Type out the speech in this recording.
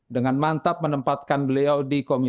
dengan mantap menempatkan beliau di komisi dua